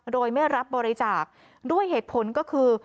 โดยไม่รับบริจาคด้วยเหตุผลก็คือ